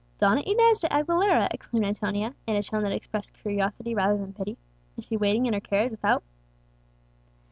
"Donna Inez de Aguilera!" exclaimed Antonia, in a tone that expressed curiosity rather than pity; "is she waiting in her carriage without?"